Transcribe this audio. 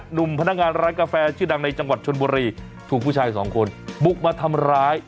หนุ่มพนักงานร้านกาแฟชื่อดังในจังหวัดชนบุรีถูกผู้ชายสองคนบุกมาทำร้าย